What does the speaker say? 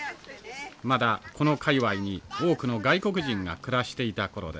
まだこの界わいに多くの外国人が暮らしていた頃です。